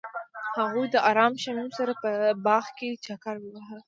هغوی د آرام شمیم سره په باغ کې چکر وواهه.